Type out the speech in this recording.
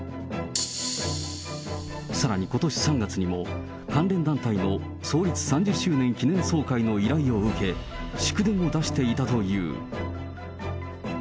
さらにことし３月にも、関連団体の創立３０周年記念総会の依頼を受け、祝電を出していたという。